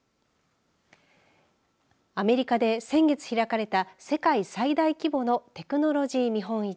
アメリカで先月開かれた世界最大規模のテクノロジー見本市。